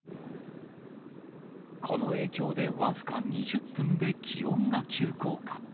この影響で僅か２０分で気温が急降下。